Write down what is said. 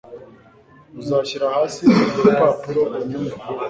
Uzashyira hasi urwo rupapuro unyumve